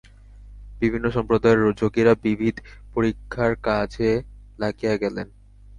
বিভিন্ন সম্প্রদায়ের যোগীরা বিবিধ পরীক্ষার কাজে লাগিয়া গেলেন।